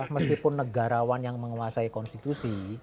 meskipun negarawan yang menguasai konstitusi